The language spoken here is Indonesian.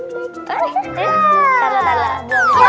loncat loncat ga bisa diem ya